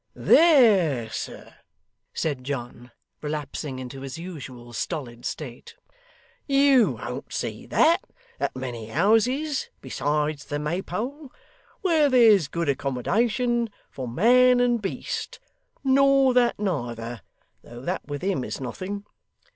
'There, sir,' said John, relapsing into his usual stolid state, 'you won't see that at many houses, besides the Maypole, where there's good accommodation for man and beast nor that neither, though that with him is nothing.